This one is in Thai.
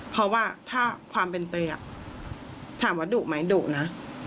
เพราะว่าถ้าความเป็นเตยถามว่าดุไหมดุนะ